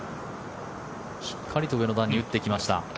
しっかりと上の段に打ってきました。